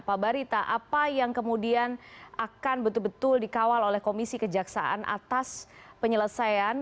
pak barita apa yang kemudian akan betul betul dikawal oleh komisi kejaksaan atas penyelesaian